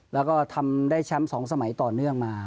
แล้วก็ทำได้แชมป์๒สมัยต่อเนื่องมา